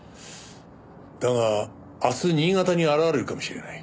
だが明日新潟に現れるかもしれない。